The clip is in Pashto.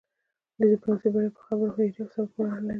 د ډیپلوماسی بریا په خبرو، هوښیارۍ او صبر پورې اړه لری.